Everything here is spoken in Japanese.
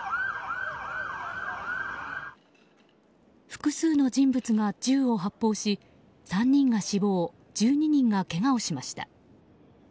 複数の人物が銃を発砲し３人が死亡１２人がけがをしました。